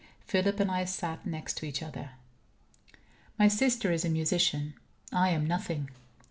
Philip and I sat next to each other. My sister is a musician I am nothing.